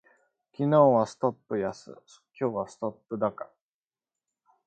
昨日はストップ安、今日はストップ高